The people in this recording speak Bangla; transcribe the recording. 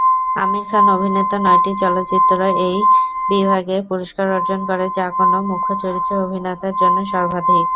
আমির খান অভিনীত নয়টি চলচ্চিত্র এই বিভাগে পুরস্কার অর্জন করে, যা কোন মুখ্য চরিত্রে অভিনেতার জন্য সর্বাধিক।